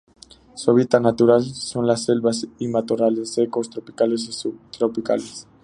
Su hábitat natural son las selvas y matorrales secos tropicales y subtropicales.